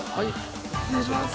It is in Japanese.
お願いします。